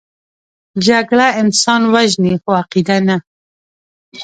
جګړه انسان وژني، خو عقیده نه